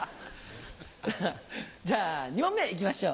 じゃあ２問目いきましょう。